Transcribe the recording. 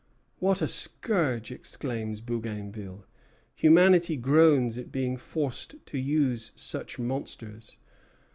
"What a scourge!" exclaims Bougainville. "Humanity groans at being forced to use such monsters.